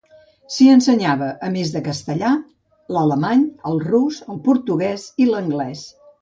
S'hi ensenyava, a més de castellà, l'alemany, el rus, el portuguès i l'anglès.